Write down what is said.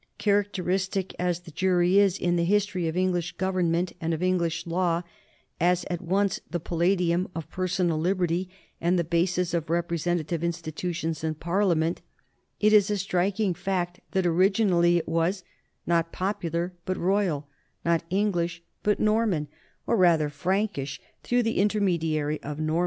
Characteristic as the jury is in the history of English government and of English law, as at once the palladium of personal lib erty and the basis of representative institutions in Par liament, it is a striking fact that originally it was "not popular but royal," not English but Norman, or rather 1 Salzmann, Henry II, p. 176.